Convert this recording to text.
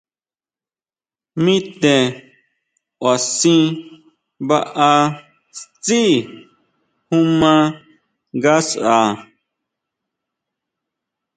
Mi te kʼua sʼí baá tsí ju maa ngasʼa.